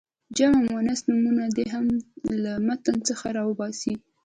جمع مؤنث نومونه دې هم له متن څخه را وباسي.